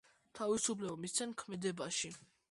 თავისუფლება მისცენ ქმედებაში.